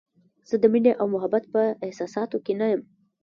زه د مینې او محبت په احساساتو کې نه یم.